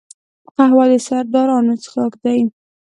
قهوه د سردارانو څښاک دی